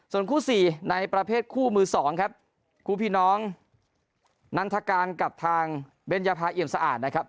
ส่วนคู่สี่ในประเภทคู่มือสองครับคู่พี่น้องนันทการกับทางเบญภาเอี่ยมสะอาดนะครับ